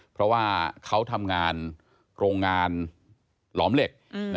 เพราะว่าเขาทำงานโรงงานหลอมเหล็ก